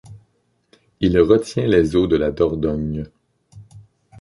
Il retient les eaux de la Dordogne.